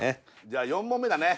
じゃあ４問目だね。